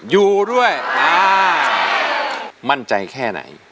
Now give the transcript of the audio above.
อยู่ด้วยอ่ามั่นใจแค่ไหน